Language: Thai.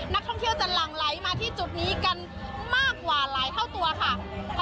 นักท่องเที่ยวจะหลั่งไหลมาที่จุดนี้กันมากกว่าหลายเท่าตัวค่ะ